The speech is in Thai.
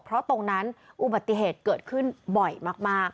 เพราะตรงนั้นอุบัติเหตุเกิดขึ้นบ่อยมาก